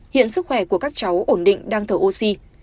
hiện sức khỏe của các cháu ổn định đang thở oxy